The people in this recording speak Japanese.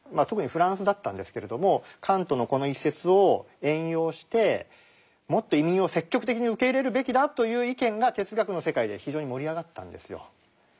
特にフランスだったんですけれどもカントのこの一節を援用してもっと移民を積極的に受け入れるべきだという意見が哲学の世界で非常に盛り上がったんですよ。